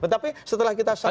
tapi setelah kita saksikan